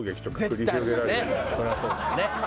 それはそうだよね。